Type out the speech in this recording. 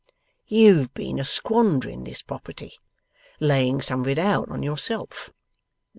You've been a squandering this property laying some of it out on yourself.